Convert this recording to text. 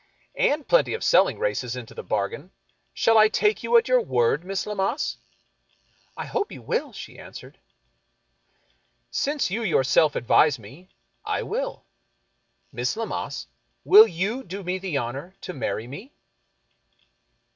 "" And plenty of selling races into the bargain. Shall I take you at your word. Miss Lammas ?"" I hope you will," she answered. " Since you yourself advise me, I will. }kliss Lammas, will you do me the honor to marry me